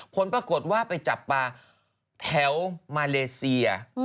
ผลปรากฏว่าไปจับปลาแถวมาเลเซีย